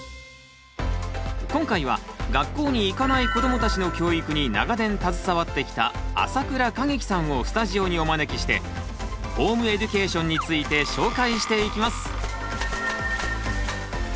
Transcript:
今回は学校に行かない子どもたちの教育に長年携わってきた朝倉景樹さんをスタジオにお招きしてホームエデュケーションについて紹介していきます。